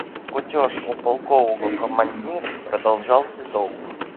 Кутеж у полкового командира продолжался долго.